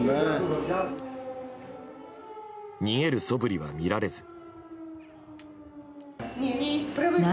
逃げるそぶりは見られず。